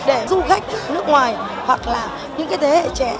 để du khách nước ngoài hoặc là những thế hệ trẻ